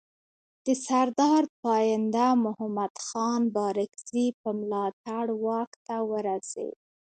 د سردار پاینده محمد خان بارکزي په ملاتړ واک ته ورسېد.